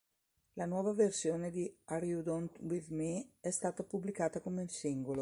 La nuova versione di "Are You Done with Me" è stata pubblicata come singolo.